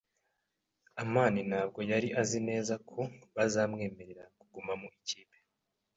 amani ntabwo yari azi neza ko bazamwemerera kuguma mu ikipe.